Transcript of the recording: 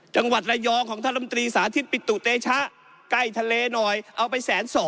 จังหวัดระยองของท่านลำตรีสาธิตปิตุเตชะใกล้ทะเลหน่อยเอาไปแสนสอง